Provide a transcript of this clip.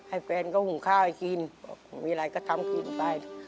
แฟนก็หุงข้าวให้กินมีอะไรก็ทำกินไป